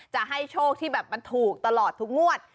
จะให้โชคที่แบบมันถูกตลอดทุกงวด